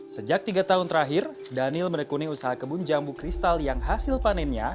sejak tiga tahun terakhir daniel menekuni usaha kebun jambu kristal yang hasil panennya